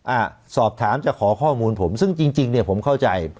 อ่ะสอบถามจะขอข้อมูลผมซึ่งจริงจริงเนี่ยผมเข้าใจ